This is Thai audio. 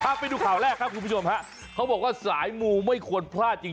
เอาไปดูข่าวแรกครับคุณผู้ชมฮะเขาบอกว่าสายมูไม่ควรพลาดจริง